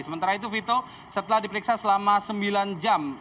sementara itu vito setelah diperiksa selama sembilan jam